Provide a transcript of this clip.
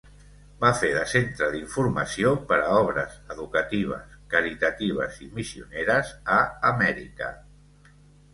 Va fer de centre d'informació per a obres educatives, caritatives i missioneres a Amèrica.